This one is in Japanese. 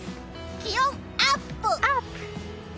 気温アップ！